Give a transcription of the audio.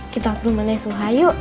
kita ke rumah nenek suha yuk